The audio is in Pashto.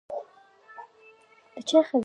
چې دا بیرته راستنېدنه د لنډمهاله بحران په توګه نه